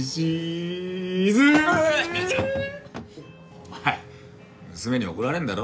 お前娘に怒られんだろ？